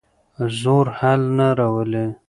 زور حل نه راولي.